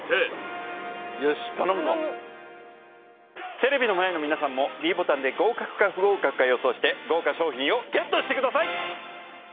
テレビの前の皆さんもｄボタンで合格か不合格か予想して豪華賞品をＧＥＴしてください！